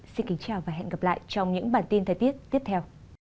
xin kính chào và hẹn gặp lại trong những bản tin thời tiết tiếp theo